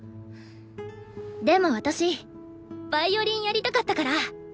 でも私ヴァイオリンやりたかったから。